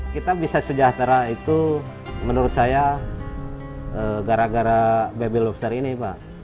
kita bisa sejahtera itu menurut saya gara gara baby lobster ini pak